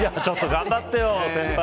頑張ってよ先輩。